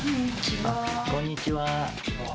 こんにちは。